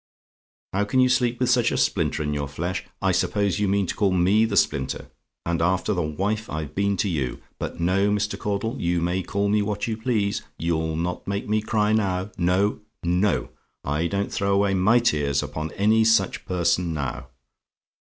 "HOW CAN YOU SLEEP WITH SUCH A SPLINTER IN YOUR FLESH? "I suppose you mean to call me the splinter? and after the wife I've been to you! But no, Mr. Caudle, you may call me what you please; you'll not make me cry now. No, no; I don't throw away my tears upon any such person now.